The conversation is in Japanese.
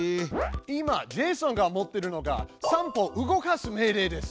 今ジェイソンが持ってるのが「３歩動かす」命令です。